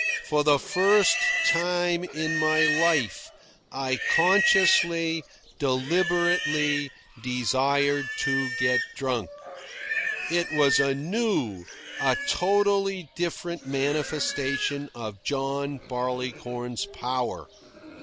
For the first time in my life I consciously, deliberately, desired to get drunk. It was a new, a totally different manifestation of John Barleycorn's power.